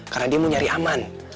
karena dia mau nyari aman